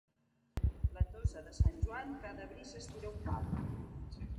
La tosa de Sant Joan, cada bri s'estira un pam.